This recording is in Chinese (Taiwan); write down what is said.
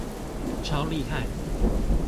超厲害